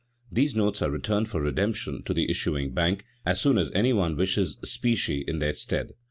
These notes are returned for redemption to the issuing bank as soon as any one wishes specie in their stead.